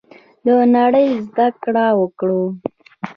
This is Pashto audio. له نړۍ زده کړه وکړو.